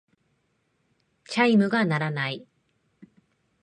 チャイムが鳴らない。